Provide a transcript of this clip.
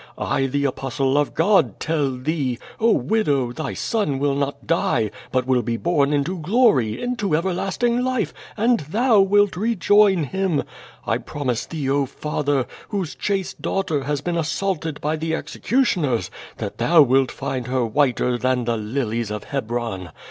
I, the Apostle of God, tell thee, oh, widow, thy son will not die, but will be born into glory, into everlasting life, and thou wilt rejoin him! I promise thee, oh, father, whose chaste daughter has been assaulted by the executioners, that thou wilt find her whiter than the lilies of Hebron!